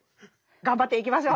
頑張っていきましょう。